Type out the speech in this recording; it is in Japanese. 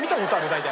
大体。